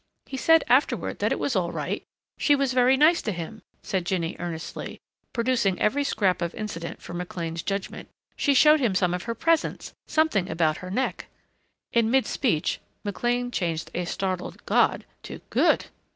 He said afterward that it was all right. She was very nice to him," said Jinny earnestly, producing every scrap of incident for McLean's judgment. "She showed him some of her presents something about her neck." In mid speech McLean changed a startled "God!" to "Good!"